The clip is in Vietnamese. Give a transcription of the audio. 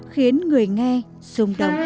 khiến người nghe xung đột